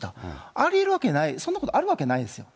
ありえるわけない、そんなことあるわけないですよ。